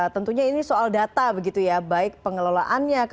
tentunya ini soal data begitu ya baik pengelolaannya